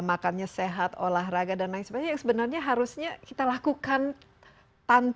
makannya sehat olahraga dan lain sebagainya yang sebenarnya harusnya kita lakukan tanpa